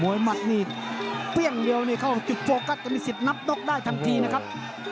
หมัดนี่เปรี้ยงเดียวนี่เข้าจุดโฟกัสจะมีสิทธิ์นับน็อกได้ทันทีนะครับ